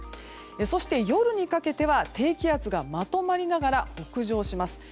そして夜にかけては低気圧がまとまりながら北上します。